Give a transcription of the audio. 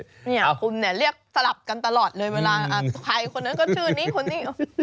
เนี่ยคุณเนี่ยเรียกสลับกันตลอดเลยเวลาใครคนนั้นก็ชื่อนี้คนนี้